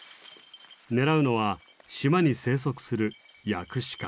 狙うのは島に生息するヤクシカ。